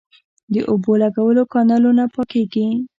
د اوبو لګولو کانالونه پاکیږي